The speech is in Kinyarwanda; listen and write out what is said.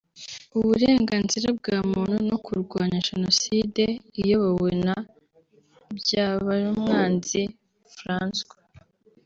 Uburenganzira bwa Muntu no kurwanya Jenoside; iyobowe na Byabarumwanzi François